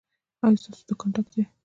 ایا ستاسو دکان ډک دی؟